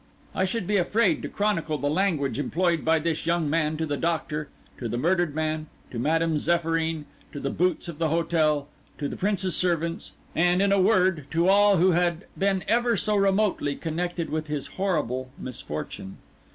I should be afraid to chronicle the language employed by this young man to the Doctor, to the murdered man, to Madame Zéphyrine, to the boots of the hotel, to the Prince's servants, and, in a word, to all who had been ever so remotely connected with his horrible misfortune.